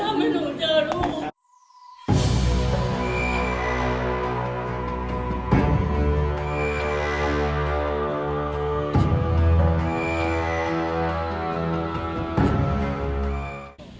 ทั้งทั้งให้หนูเจอลูก